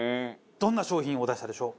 どんな商品を出したでしょう？